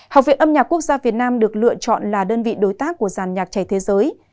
học viện âm nhạc quốc gia việt nam được lựa chọn là đơn vị đối tác của giàn nhạc trẻ thế giới